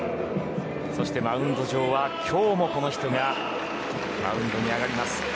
そしてマウンド上は今日もこの人がマウンドに上がります。